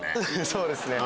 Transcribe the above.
そうですね。